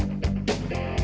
nah ini juga